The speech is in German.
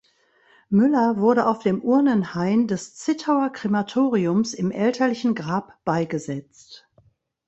Müller wurde auf dem Urnenhain des Zittauer Krematoriums im elterlichen Grab beigesetzt.